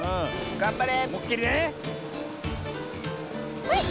がんばれ！